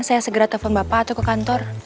saya segera telepon bapak atau ke kantor